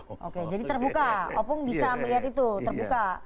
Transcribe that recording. oke jadi terbuka opung bisa melihat itu terbuka